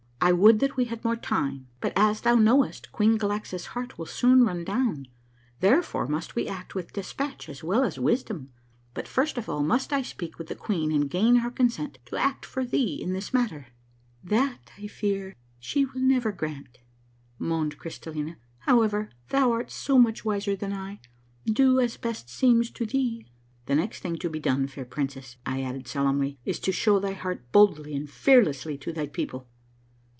I would that we had more time, but as thou knowest Queen Galaxa's heart will soon run down, therefore must we act with despatch as well as wisdom. But first of all must I speak with the queen and gain her con sent to act for thee in this matter." " That, I fear me, she will never grant," moaned Crystallina. " However, thou art so much wiser than I — do as best seems to thee." The next thing to be done, fair princess," I added solemnly, "is to show thy heart boldly aind fearlessly to thy people."